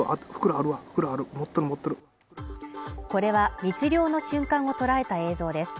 これは密漁の瞬間を捉えた映像です